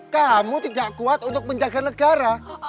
kamu tidak kuat untuk menjaga negara